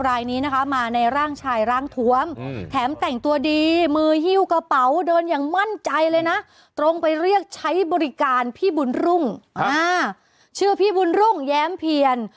รายนี้นะคะมาในร่างชายร่างทวมแถมแต่งตัวดีมือหิ้วกระเป๋าเดินอย่างมั่นใจเลยนะตรงไปเรียกใช้บริการพี่บุญรุ่งชื่อพี่บุญรุ่งแย้มเพียน